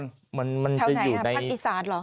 เท่าไหนครับภักดิ์ศาสตร์เหรอ